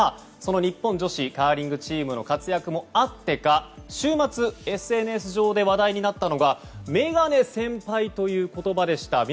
その日本女子カーリングチームの活躍もあってか週末ＳＮＳ上で話題になったのがメガネ先輩という言葉でした。